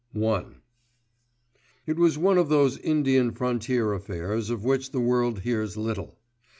*I* It was one of those Indian Frontier affairs of which the world hears little.